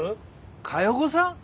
加代子さん？